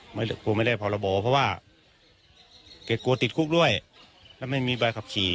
กลัวไม่ได้พรบเพราะว่าแกกลัวติดคุกด้วยแล้วไม่มีใบขับขี่